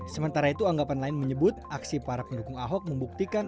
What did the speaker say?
sementara itu anggapan lain menyebut aksi para pendukung ahok membuktikan